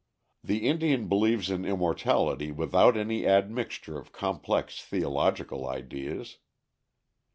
The Indian believes in immortality without any admixture of complex theological ideas.